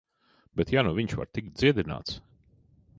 Bet ja nu viņš var tikt dziedināts...